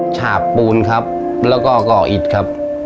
ฉาบปูนครับแล้วก็ก่ออิดครับ